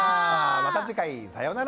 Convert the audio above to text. また次回さようなら。